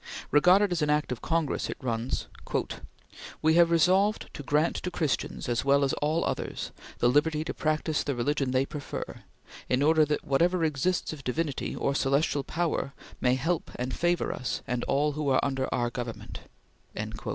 Regarded as an Act of Congress, it runs: "We have resolved to grant to Christians as well as all others the liberty to practice the religion they prefer, in order that whatever exists of divinity or celestial power may help and favor us and all who are under our government."